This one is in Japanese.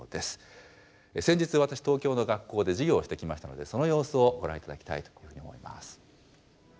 先日私東京の学校で授業をしてきましたのでその様子をご覧頂きたいというふうに思います。